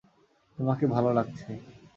তোমাকে ভালো লাগছে।